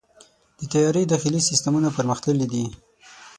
د طیارې داخلي سیستمونه پرمختللي دي.